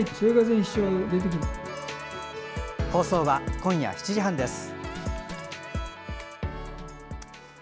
放送は今夜７時半です。